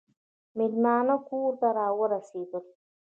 مېلمانه کور ته راورسېدل .